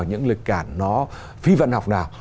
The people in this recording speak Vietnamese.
nó phi văn học nào